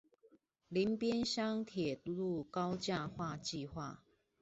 林邊鄉鐵路高架化計畫